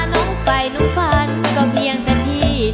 น้องไฟน้องฝันก็เพียงแต่พี่